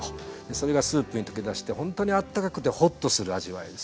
それがスープに溶け出してほんとにあったかくてほっとする味わいですね。